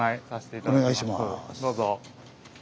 どうぞ。